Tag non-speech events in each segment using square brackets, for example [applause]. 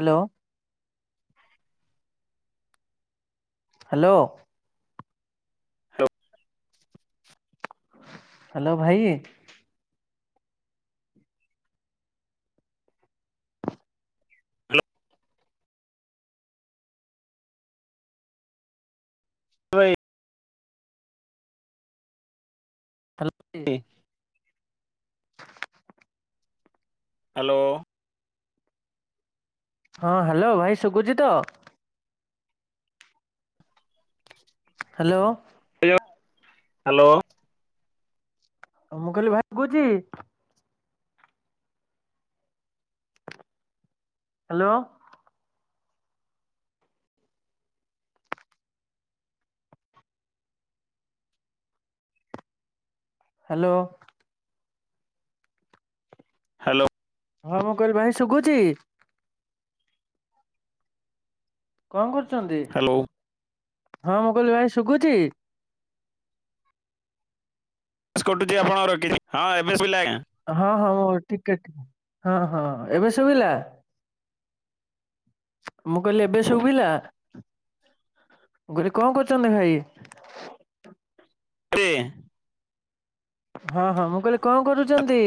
Hello. Hello. Hello ଭାଇ। ଏ ଭାଇ। ହେଲା କି? ହାଲୋ। ହଁ ହାଲୋ ଭାଇ ସୁୁକୁଚି ତ? ହାଲୋ। ଇଅ ହାଲୋ। ଅ ମୁଁ କହିଲି ଭାଇ କୋହୁଚି। ହାଲୋ। ହାଲୋ। ହାଲୋ। ହଁ ମୁଁ କହିଲି ଭାଇ ଶୁଗୁଚି? କଁ କରୁଚନ୍ତି ହ୍ୟାଲୋ ହଁ ମୁଁ କହିଲି ଭାଇ ଶୁଗୁଚି? ଏସ୍ କଟୁଚି ଆପଣଙ୍କର କିକି ହଁ ଏବେ ଶୁବିଲା ଆଜ୍ଞା। ହଁ ହଁ ଓ ଟିକେ ଟିକ୍ ହଁ ହଁ ଏବେ ଶୁଭିଲା? ମୁଁ କହିଲି ଏବେ ଶୁବିଲା? ମୁଁ କହିଲି କଁ କରୁଚନ୍ତି ଭାଇ? ତେ ହଁ ହଁ ମୁଁ କହିଲି କଁ କରୁଚନ୍ତି?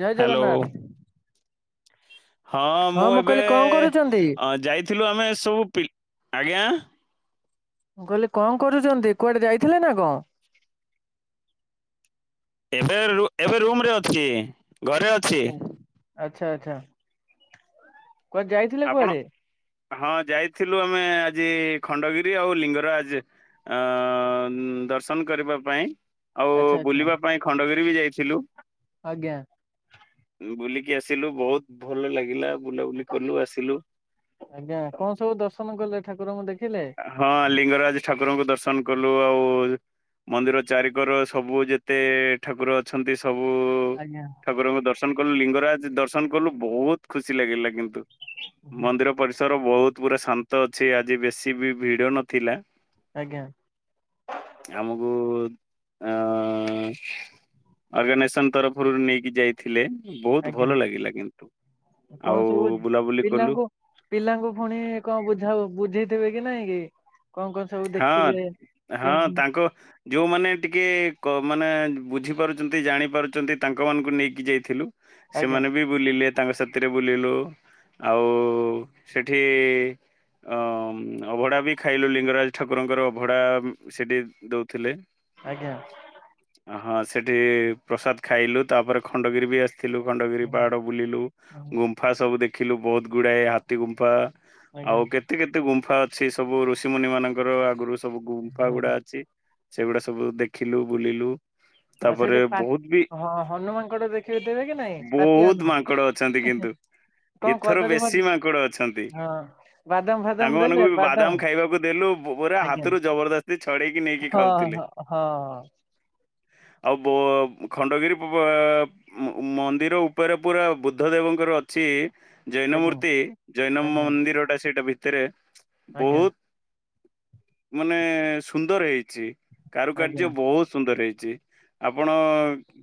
ଜୟ ହ୍ୟାଲୋ ଜଗନ୍ନାଥ। ହଁ ମୁଁ ଏବେ କହିଲି କଣ କରୁଛନ୍ତି ଅ ଯାଇଥିଲୁ ଆମେ ସବୁ ପି ଆଜ୍ଞା? ମୁଁ କହିଲି କଁ କରୁଚନ୍ତି କୁଆଡ଼େ ଯାଇଥିଲେ ନା କଁ? ଏବେ ରୁ ଏବେ ରୁମରେ ଅଛି। ଘରେ ଅଛି ଆଚ୍ଛା ଆଚ୍ଛା ଆଚ୍ଛା ଆଚ୍ଛା। କୁଆଡ଼େ ଯାଇଥିଲେ ଆପଣ କୁଆଡ଼େ? ହଁ ଯାଇଥିଲୁ ଆମେ ଆଜି ଖଣ୍ଡଗିରି ଆଉ ଲିଙ୍ଗରାଜ। ଅଁ ଦର୍ଶନ କରିବା ପାଇଁ। ଆଉ ଆଚ୍ଛା ଆଚ୍ଛା ବୁଲିବା ପାଇଁ ଖଣ୍ଡଗିରି ବି ଯାଇଥିଲୁ। ଆଜ୍ଞା। ବୁଲିକି ଆସିଲୁ ବୋହୁତ ଭଲ ଲାଗିଲା ବୁଲାବୁଲି କଲୁ ଆସ୍ ଆଜ୍ଞା କଣ ସବୁ ଦର୍ଶନ କଲେ ଠାକୁରଙ୍କୁ ଦେଖିଲେ? ହଁ ଲିଙ୍ଗରାଜ ଠାକୁରଙ୍କୁ ଦର୍ଶନ କଲୁ ଆଉ ମନ୍ଦିର ଚାରିିକର ସବୁ ଯେତେ ଠାକୁର ଅଛନ୍ତି ସବୁ ଆଜ୍ଞା ଠାକୁରଙ୍କୁ ଦର୍ଶନ କଲୁ ଲିଙ୍ଗରାଜ ଦର୍ଶନ କଲୁ ବହୁତ ଖୁସି ଲାଗିଲା କିନ୍ତୁ। ମନ୍ଦିର ପରିସର ବହୁତ ପୁରା ଶାନ୍ତ ଅଛି ଆଜି ବେଶୀ ବି ଭିଡ଼ ନଥିଲା। ଆଜ୍ଞା। ଆମୁକୁ ଅ ଅର୍ଗାନାଇସନ୍ ତରଫରୁ ନେଇକି ଯାଇ ଥିଲେ ବହୁତ ଭଲ ଲାଗିଲା କିନ୍ତୁ କଣ ଆଉ ସବୁ ବୁଲାବୁଲି କଲୁ। ପିଲାଙ୍କୁ ପିଲାଙ୍କୁ ଫୁଣି କଁ ବୁଝା ବୁଝେଇଥିବେ କି ନାଇଁ କି କଁ କ ହଁ ହଁ ତାଙ୍କ ଯୋଉମାନେ ଟିକେ କ ମାନେ ବୁଝିପାରୁଚନ୍ତି ଜାଣିପାରୁଚନ୍ତି ତାଙ୍କମାନଙ୍କୁ ନେଇକି ଯାଇଥିଲୁ। ଆଜ୍ଞା ସେମାନେ ବି ବୁଲିଲେ ତାଙ୍କ ସାଥିରେ ବୁଲିଲୁ। ଆଉ ସେଠି ଅଁ ଅଭଡ଼ା ବି ଖାଇଲୁ ଲିଙ୍ଗରାଜ ଠାକୁରଙ୍କର ଭଡା ସେଠି ଦଉଥିଲେ। ଆଜ୍ଞା। ହଁ ସେଇଠି ପ୍ରସାଦ ଖାଇଲୁ ତାପରେ ଖଣ୍ଡଗିରି ବି ଆସି ଥିଲୁ ଖଣ୍ଡଗିରି ହଁ ପାହାଡ଼ ବୁଲିଲୁ ଗୁମ୍ଫା ସବୁ ଦେଖିଲୁ ବହୁତ ଗୁଡ଼ାଏ ହାତୀ ଗୁମ୍ଫା ଆଜ୍ଞା ଆଉ କେତେ କେତେ ଗୁମ୍ଫା ଅଛି ସବୁ ଋଷିମୁନି ମାନଙ୍କର ଆଗରୁ ସବୁ ଗୁମ୍ଫା ହଁ ଗୁଡା ଅଛି। ସେଗୁଡା ସବୁ ଦେଖିଲୁ ବୁଲିଲୁ। ଆଉ ସେଠି ତାପରେ ପା ବହୁତ ବି ହଁ ହନୁମାନଙ୍କଟ ଦେଖିଦେବେ କି ନାଇଁ ରାତି ବହୁତ ହନୁ ମାଙ୍କଡ ଅ ଛନ୍ତି କିନ୍ତୁ। କଣ ଏଥର କଦଳୀ ବେଶୀ ଭଜା ମାଙ୍କଡ ଅଛନ୍ତି ହଁ ବାଦାମ ଫାଦାମ ତାଙ୍କ ମାନଙ୍କୁ ଦେଲେ ବି ବାଦାମ ଖାଇବାକୁ ଦେଲୁ। ପୋବରା ଆଜ୍ଞା ହାତରୁ ଜବରଦସ୍ତି ଛଡେଇକି ନେଇକି ହଁ ଖାଉଥିଲେ। ହଁ ହଁ ଆଉ ବ ଖଣ୍ଡଗିରିବେବ ମନ୍ଦିର ଉପରେ ପୁରା ବୁଦ୍ଧ ଦେବଙ୍କର ଅଛି ଜୈନ ଆଜ୍ଞା ମୂର୍ତି ଜୈନ ଆଜ୍ଞା ମନ୍ଦିର ଟା ସେଇଟା ଭିତରେ ଆଜ୍ଞା। ବହୁତ ମାନେ ସୁନ୍ଦର ହେଇଛି ଆଜ୍ଞା କାରୁକାର୍ଯ୍ୟ ବହୁତ ସୁନ୍ଦର ହେଇଛି ଆପଣ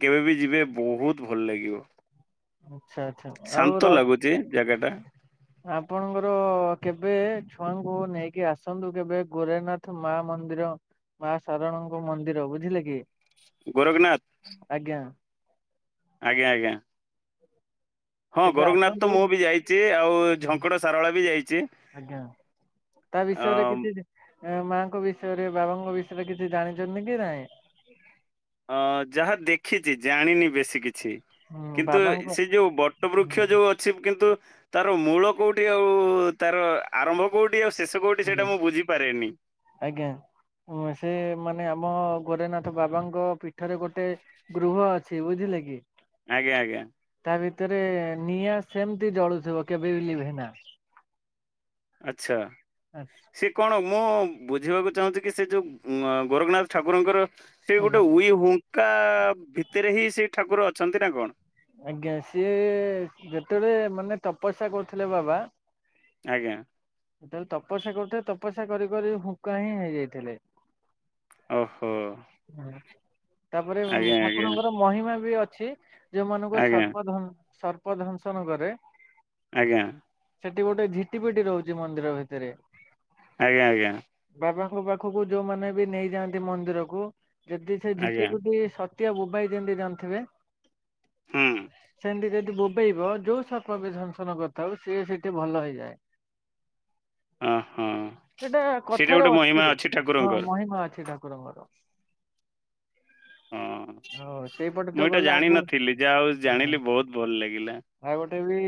କେବେ ବି ଯିବେ ବହୁତ ଭଲ ଲାଗିବ। ଆଚ୍ଛା ଆଚ୍ଛା ଆଉ ର ଜାଗାଟା। ଆପଣଙ୍କର କେବେ ଛୁଆଙ୍କୁ ନେଇକି ଆସନ୍ତୁ କେବେ ଗୋରେନାଥ ମା ମନ୍ଦିର ମା ଶାରଣଙ୍କ ମନ୍ଦିର ବୁଝିଲେ କି? ଗୋରଖନାଥ। ଆଜ୍ଞା। ଆଜ୍ଞା ଆଜ୍ଞା। ହଁ କେବେ ଗୋରଖନାଥ ତ ଆସନ୍ତୁ ମୁଁ ବି ଯାଇଛି ଆଉ ଝଙ୍କଡ଼ ସାରଳା ବି ଯାଇଛି। ଆଜ୍ଞା। ତା ଅ ବିଷୟରେ କିଛି ମାଙ୍କ ବିଷୟରେ ବାବାଙ୍କ ବିଷୟରେ କିଛି ଜାଣିଛନ୍ତି କି ନାଇଁ? ଅ ଯାହା ଦେଖିଛି ଜାଣିନି ବେଶୀ କିଛି। ହୁଁ କିନ୍ତୁ ବାବାଙ୍କ ସେ ଯୋଉ ବଟ ହୁଁ ବୃକ୍ଷ ଯୋଉ ଅ ଛି କିନ୍ତୁ ତାର ମୂଳ କୋଉଠି ଆଉ ତାର ଆରମ୍ କଉଠି ଆଉ ଶେଷ କଉଠି ଆଜ୍ଞା ସେଇଟା ମୁ ବୁିଝିପାରେନି। ଆଜ୍ଞା ସେ ମାନେ ଆମ ଗୋରେନାଥ ବାବାଙ୍କ ପୀଠରେ ଗୋଟେ ଗୃହ ଅଛି ବୁଝିଲେ କି? ଆଜ୍ଞା ଆଜ୍ଞା। ତା ଭିତରେ ନିଆଁ ସେମତି ଜଳୁଥିବ କେବେବି ଲିଭେନା। ଆଚଛା। ଆଚ୍ଛା। ସେ କଣ ମୁଁ ବୁଝିବାକୁ ଚାହୁଁଛି କି ସେ ଯୋଉ ଗୋରଖନାଥ ଠାକୁରଙ୍କର ସେ ଗୋଟେ ଉଇ ହୁଙ୍କା ଭିତରେ ହିଁ ସେ ଠାକୁର ଅଛନ୍ତି ନା କଣ? ଆଜ୍ଞା ସିଏ ଯେତେବେଳେ ମାନେ ତପସ୍ୟା କରୁଥିଲେ ବାବା ଆଜ୍ଞା। ଜେତେବେଳେ ତପସ୍ୟା କରୁଥିଲେ ତପସ୍ୟା କରି କରି ହୁଙ୍କାହିଁ ହେଇଯାଇଥିଲେ। ଓହୋ। ହଁ ତାପରେ ଆଜ୍ଞା ଆଜ୍ଞା ଠାକୁରଙ୍କର ମହିମା ବି ଅଛି। ଯୋଉ ମାନଙ୍କୁ ଆଜ୍ଞା ସର୍ପ ଧ ସର୍ପ ଦଂଶନ କରେ। ଆଜ୍ଞା। ସେଠି ଗୋଟେ ଝିଟି ପିଟି ରହୁଛି ମନ୍ଦିର ଭିତରେ। ଆଜ୍ଞା ଆଜ୍ଞା। ବାବାଙ୍କ ପାଖକୁ ଯୋଉମାନେ ବି ନେଇ ଯାଆନ୍ତି ମନ୍ଦିରକୁ ଯଦି ସେ ଆଜ୍ଞା ଝିଟିିପିଟି ସ ଟିକେ ବୋବାଇ ଦିଅନ୍ତି ଜାଣିଥିବେ ହୁଁ ସେମିତି ଯଦି ବୋ ବୋବେଇବ ଯୋଉ ସର୍ପ ବି ଦଂଶନ କରିଥାଉ ସିଏ ସେଇଠି ଭଲ ହେଇଯାଏ। ଓଃ ହୋ। ସେଇଟା କଥାରେ ଅଛି ହଁ ମହିମା ଅଛି ଠାକୁରଙ୍କର। ହଁ ହଉ ସେଇପଟେ ତ ମୁଁ ଏଇଟା ଗଲେ ଆଗୁ ଜାଣିନଥିଲି ଯାହା ହଉ ଜାଣିଲି ବହୁତ ଭଲ ଲାଗିଲା। ଆଉ ଗୋଟେ ବି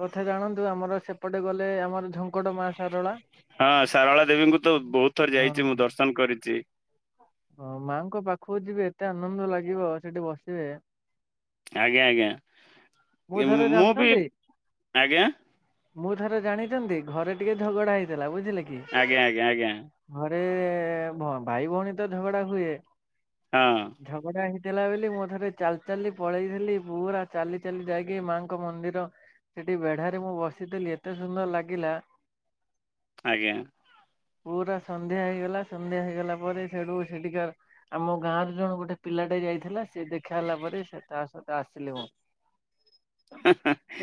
କଥା ଜାଣନ୍ତୁ ଆମର ସେପଟେ ଗଲେ ଆମର ଝଙ୍କଡ଼ ମା ଶାରଳା। ହଁ ଶାରଳା ଦେବୀଙ୍କୁ ତ ବହୁତ ଥର ହଁ ଯାଇଛି ହଁ ମୁଁ ଦର୍ଶନ କରିଛି। ହଁ ମାଙ୍କ ପାଖକୁ ଯିବେ ଏତେ ଆନନ୍ଦ ଲାଗିବ ସେଠି ବସିବେ। ଆଜ୍ଞା ଆଜ୍ଞା ଥରେ ମୁଁ ବି ଜାଣିଛନ୍ତି ଆଜ୍ଞା। ମୁଁ ଥରେ ଜାଣିଛନ୍ତି ଘରେ ଟିକେ ଝଗଡା ହେଇଥିଲା ବୁଝିଲେ କି। ଆଜ୍ଞା ଆଜ୍ଞା ଆଜ୍ଞା। ଘରେ ଭାଇ ଭଉଣୀ ତ ଝଗଡା ହୁଏ। ହଁ। ଝଗଡା ହେଇଥିଲା ବୋଲି ମୁଁ ଥରେ ଚାଲି ଚାଲି ପଳେଇଥିଲି ପୁରା ଚାଲି। ଚାଲି ଯାଇକି ମାଙ୍କ ମନ୍ଦିର ସେଠି ବେଢାରେ ମୁଁ ବସିଥିଲି ଏତେ ସୁନ୍ଦର ଲାଗିଲା। ଆଜ୍ଞା। ପୁରା ସନ୍ଧ୍ୟା ହେଇଗଲା ସନ୍ଧ୍ୟା ହେଇଗଲା ପରେ ସେଠୁ ସେଠିକି। ଆମ ଗାଁରୁ ଜଣ ଗୋଟେ ପିଲାଟେ ଯାଇଥିଲା ସେ ଦେଖା ହେଲା ପରେ ସେ ତା ସହିତ ଆସିଲି ମୁଁ। ହିଁ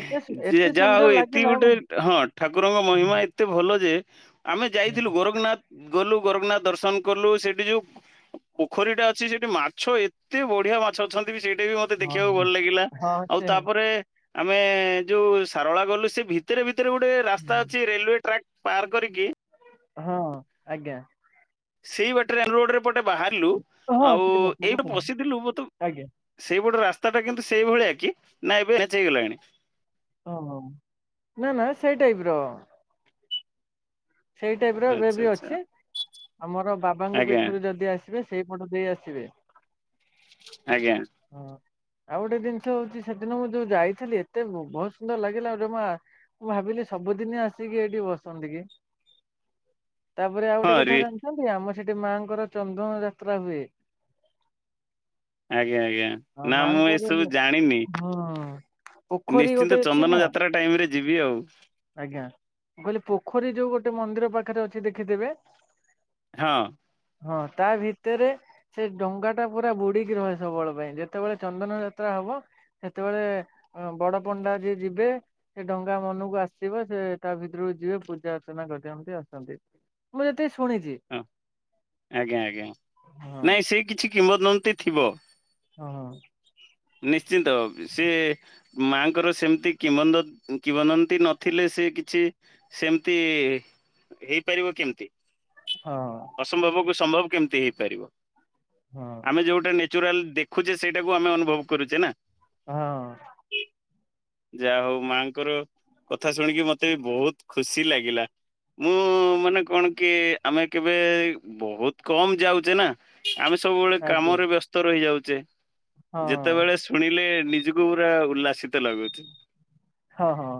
ଏତେ ସୁ ଯିଏ ଏତେ ଯାହା ସୁନ୍ଦର ଆଉ ଏତିକି ଲାଗିଲା ଗୋଟେ ମୁଁ ହଁ ଠାକୁରଙ୍କ ମହିମା ଏତେ ଭଲ ଯେ। ଆମେ ହଁ ଯାଇଥିଲୁ ଗୋରଖନାଥ ଗଲୁ ଗୋରଖନାଥ ଦର୍ଶନ କଲୁ ସେଠି ଯୋଉ। ପୋଖରୀଟା ଅଛି ସେଠି ମାଛ ଏତେ ବଢିଆ ମାଛ ଅଛନ୍ତି ବି ସେଇଟା ବି। ମତେ ଦେଖିବାକୁ ହଁ। ଭଲ ଲାଗିଲା ହଁ ଆଉ ସେ ତାପରେ। ଆମେ ଯୋଉ ସାରଳା ଗଲୁ ସେ ଭିତରେ ଭିତରେ ଗୋଟେ ରାସ୍ତା ଅଛି ରେଲୱେ ଟ୍ରାକ୍। ପାର କରିକି ହଁ ଆଜ୍ଞା। ସେଇ ବାଟରେ ରୋଡରେ ପଟେ ବାହାରିଲୁ ହଁ ଆଉ ସେ ଏଇଠୁ ବସିିଥିଲୁ ମତେ। ଆଜ୍ଞା ସେଇପଟେ ରାସ୍ତା ଟା କିନ୍ତୁ ସେଇଭଳିଆ କି ନା ଏବେ ଚେଞ୍ଜ ହେଇଗଲାଣି। ଓଃ ହୋ ନା ନା ସେଇ ଟାଇପ ର। ସେଇ ଟାଇପ ର ଏବେ ଆଚ୍ଛା ବି ଆଚ୍ଛା ଅଛି ଆମର ବାବାଙ୍କ ଆଜ୍ଞା ପୀଠରୁ ଯଦି ଆସି। ସେଇପଟ ଦେଇ ଆସିବେ। ଆଜ୍ଞା। ହଁ। ଆଉ ଗୋଟେ ଜିନିଷ ହଉଛି ସେଦିନ ମୁଁ ଯୋଉ ଯାଇଥିଲି ଏତେ ବହୁତ ସୁନ୍ଦର ଲାଗିଲା ଆଉ ଜମା। ମୁଁ ଭାବିଲି ସବୁଦିନ ଆସିକି ଏଇଠି ବସନ୍ତି କି। ତାପରେ ଆଉ ଗୋଟେ ହଁ କଥା ରି ଜାଣିଛନ୍ତି ଆମର ସେଠି ମାଆଙ୍କର ଚନ୍ଦନ ଯାତ୍ରା ହୁଏ। ଆଜ୍ଞା ଆଜ୍ଞା ଆଉ ନା ମୁଁ ମାଆଙ୍କର ଏସବୁ ହଁ ଜାଣିନି। ପୋଖରୀ ଗୋଟେ ନିଶ୍ଚିନ୍ତ ଅଛି ଚନ୍ଦନ ନା ଯାତ୍ରା ଟାଇମରେ ଯିବି ଆଉ। ଆଜ୍ଞା ମୁଁ କହିଲି ପୋଖରୀ ଯୋଉ ଗୋଟେ ମନ୍ଦିର ପାଖରେ ଅଛି ଦେଖିଥିବେ। ହଁ। ହଁ ତା ଭିତରେ ସେ ଡଙ୍ଗା ଟା ପୁରା ବୁଡିକି ରହେ ସବୁବେଳ ପାଇଁ। ଯେତେବେଳେ ଚନ୍ଦନ ଯାତ୍ରା ହବ ସେତେବେଳେ ବଡ ପଣ୍ଡା ଯିଏ ଯିବେ। ସେ ଡଙ୍ଗା ମନକୁ ଆସିବ ସେ ତା ଭିତରକୁ ଯିବେ ପୂଜା ଅର୍ଚ୍ଚନା କରନ୍ତି ଆସନ୍ତି। ମୁଁ ଯେତିକି ଶୁଣିଛି। ହଁ ଆଜ୍ଞା ଆଜ୍ଞା ହଁ ନାଇଁ ସେ କିଛି କିମ୍ବଦନ୍ତୀ ଥିବ। ହଁ ହ। ନିଶ୍ଚିତ ସେ ମାଆଙ୍କର ସେମିତି କି କିବଦନ୍ତୀ ନଥିଲେ ସେ କିଛି। ସେମିତି ହେଇପାରିବ କେମିତି। ହଁ। ଅସମ୍ଭବକୁ ସମ୍ଭବ କେମିତି ହେଇପାରିବ ହଁ ଆମେ ଯୋଉଟା ଯଉଟା ନାଚୁରାଲ ଦେଖୁଛେ ସେଇଟାକୁ ଆମେ ଅନୁଭବ କରୁଛେ ନା। ହଁ। ଯାହା ହଉ ମାଆଙ୍କର କଥା ଶୁଣିକି ମତେ ବି ବହୁତ ଖୁସି ଲାଗିଲା। ମୁଁ ମାନେ କଣ କି ଆମେ କେବେ ବହୁତ କମ ଯାଉଛେ ନା ଆମେ ସବୁବେଳେ ଆଜ୍ଞା କାମରେ ବ୍ୟସ୍ତ ରହି ଯାଉଛେ ହଁ ସେତେବେଳେ ଶୁଣିଲେ ନିଜକୁ ପୁରା ଉଲ୍ଲାସିତ ଲଗୁଛି ହଁ ହଁ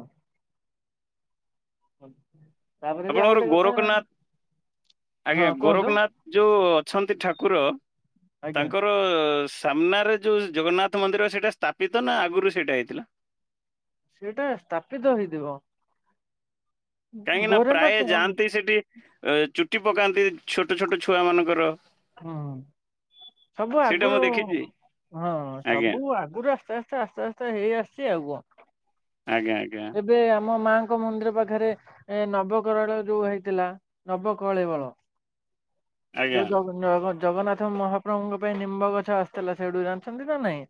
ଆଜ୍ଞା ଆପଣଙ୍କର ଗୋରଖନାଥ ଆଜ୍ଞା ହଁ କୁହନ୍ତୁ ଗୋରଖନାଥ ଯୋଉ ଅଛନ୍ତି ଠାକୁର ଆଜ୍ଞା ତାଙ୍କର ସ ସାମ୍ନାରେ ଯେଉଁ ଜଗନ୍ନାଥ ମନ୍ଦିର ସେଇଟା ସ୍ଥାପିତ ନା ଆଗରୁ ସେଇଟା ହେଇଥିଲା ସେଇଟା ସ୍ଥାପିତ ହେଇଥିବ। କାହିଁକି ନା ଗୋରେନ ପ୍ରାୟ ଯାଆନ୍ତି ସେଠି ଏ ଚୁଟି ପକାନ୍ତି ଛୋଟ ଛୋଟ ଛୁଆ ମାନଙ୍କର ହୁଁ ସବୁ ସେଇଟା ମୁଁ ଆଗରୁ ଦେଖିଛି ହଁ ଆଜ୍ଞା ସବୁ ଆଗରୁ ଆସ୍ତେ ଆସ୍ତେ ଆସ୍ତେ ଆସ୍ତେ ହେଇ ଆସିଛି ଆଉ କଣ ଆଜ୍ଞା ଆଜ୍ଞା ଏବେ ଆମ ମାଙ୍କ ମନ୍ଦିର ପାଖରେ ଏ ନବକରଳ ଯୋଉ ହେଇଥିଲା ନବ କଳେବର [inaudible] ଯୋଉ ଜଗନ ଜଗନ୍ନାଥ ମହାପ୍ରଭୁଙ୍କ ପାଇଁ ନିମ୍ବ ଗଛ ଆସିଥିଲା ସେଇଠୁ ଜାଣିଛନ୍ତି ନା ନାଇଁ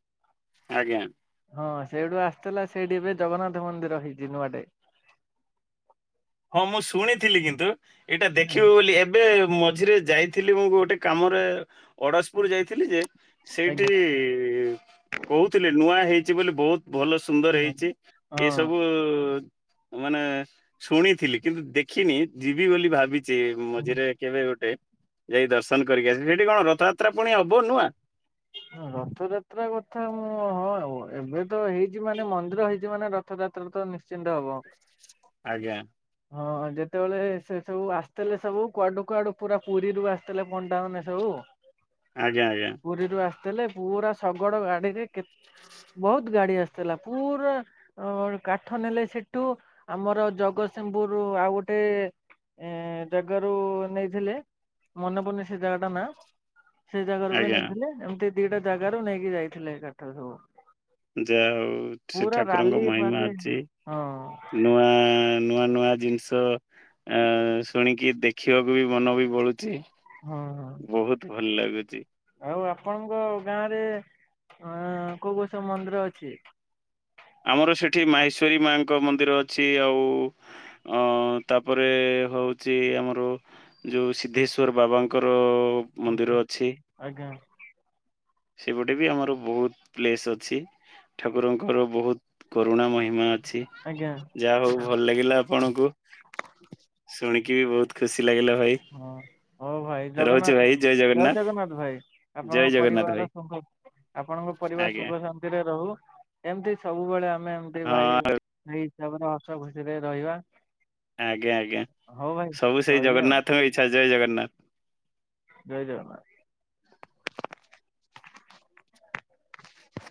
ଆଜ୍ଞା ହଁ ସେଇଠୁ ଆସିଥିଲା ସେଇଠି ଏବେ ଜଗନ୍ନାଥ ମନ୍ଦିର ହେଇଛି ନୂଆଟେ ହଁ ମୁଁ ଶୁଣିଥିଲି କିନ୍ତୁ ଏଇଟା ହୁଁ, ଦେଖିବୁ ବୋଲି ଏ ବେ ମଝିରେ ଯାଇଥିଲି ମୁ ଗୋଟେ କାମରେ ଅଡ଼ଶପୁର ଯାଇଥିଲି ଯେ ସେଇଠି ଆଜ୍ଞା କହୁଥିଲେ ନୂଆ ହେଇଛି ବୋଲି ବହୁତ ଭଲ ସେ ସୁନ୍ଦର ହଁ ହେଇଛି ହଁ। ଏସବୁ ମାନେ ଶୁଣିଥିଲି କିନ୍ତୁ ଦେଖିନି ଯିବି ବୋଲି ଭାବିଛି ହୁଁ। ମଝିରେ କେବେ ଗୋଟେ ଯାଇ ଦର୍ଶନ କରିକି ଆସିବେ ସେଠି କଣ ରଥଯାତ୍ରା ପୁଣି ହବ ନୂଆଁ ହ ରଥଯାତ୍ରା କଥା ମୁଁ ହଁ ଏବେ ତ ହେଇଛି ମାନେ ମନ୍ଦିର ହେଇଛି ମାନେ ରଥଯାତ୍ରା ତ ନି ଚିନ୍ତ ହବ ଆଜ୍ଞା ହଁ ଯେତେବେଳେ ସେ ସବୁ ଆସିଥିଲେ ସବୁ କୁଆଡୁ କୁଆଡୁ ପୁରା ପୁରୀରୁୁ ଆସି ଥିଲେ ପଣ୍ଡା ମାନେ ସବୁ ଆଜ୍ଞା ଆଜ୍ଞା ପୁରୀରୁୁ ଆସ ଥିଲେ ପୁରା ଶଗଡ ଗାଡିରେ କେ ବହୁତ ଗାଡି ଆସିଥିଲା ପୁରା ଅ କାଠ ନେଲେ ସେଠୁ ଆମର ଜଗ ତସିଂହ ପୁର ରୁ ଆଉ ଗୋଟେ ଏ ଜାଗାରୁ ନେଇଥିଲେ ମନେ ପଡୁନି ସେ ଜାଗା ଟା ନା ସେଇ ଜାଗାରୁ ବି ଆଜ୍ଞା ନେଇଥିଲେ ଏମତି ଦିଟା ଜାଗାରୁ ନେଇକି ଯାଇଥିଲେ କାଠ ସବୁ ଯାହା ହଉ ସେ ପୁରା ଠାକୁରଙ୍କ ରାଲି ମହିମା ଫାଲି ଅଛି ହଁ ନୂଆ ନୂଆ ନୂଆ ଜିନିଷ ଆ ଶୁଣିକି ଦେଖିବାକୁ ବି ମନ ବି ଭୋଳୁଛି ହଁ ହଁ। ବହୁତ ଭଲ ଲାଗୁଛି। ଆଉ ଆପଣଙ୍କ ଗାଁ ରେ ଅ କୋଉ କୋଉ ସବୁ ମନ୍ଦିର ଅଛି? ଆମର ସେଠି ମାହେଶ୍ଵରୀ ମାଙ୍କ ମନ୍ଦିର ଅଛି ଆଉ ଅ ତାପରେ ହଉଛି ଆମର ଯୋଉଁ ସିଦ୍ଧେସ୍ୱର ବାବାଙ୍କର ମନ୍ଦିର ଓହୋ ଅଛି। ଆଜ୍ଞା। ସେପଟେ ବି ଆମର ବହୁତ ପ୍ଲେସ ଅଛି। ଠାକୁରଙ୍କର ବହୁତ କରୁଣା ମହିମା ଅଛି। ଆଜ୍ଞା। ଯାହା ହଉ ଭଲ ଲାଗିଲା ଆପଣଙ୍କୁ। [inaudible] ଶୁଣିକି ବି ବହୁତ ଖୁସି ଲାଗିଲା ଭାଇ। ହଁ ହଉ ଭାଇ ଜଗନ୍ନାଥ ଜୟ ଜଗନ୍ନାଥ ଭାଇ ଜୟ ଆପଣଙ୍କ ଜଗନ୍ନାଥ ପରିବାର ଭାଇ [unintelligible] ଆପଣଙ୍କ ପରିବାର ଆଜ୍ଞା ସୁଖ ଶାନ୍ତିରେ ରହୁ। ଏମିତି ସବୁବେଳେ ଆମେ ଏମତି ଭାଇ ହଁ। ଭାଇ ହିସାବରେ ହସ ଖୁସିରେ ରହିବା। ଆଜ୍ଞା ଆଜ୍ଞା ହଉ ଭାଇ ସବୁ ସେଇ ରହିଲି ଆଉ ଜଗନ୍ନାଥଙ୍କ ଇଚ୍ଛା ଜୟ ଜଗନ୍ନାଥ। ଜୟ ଜଗନ୍ନାଥ।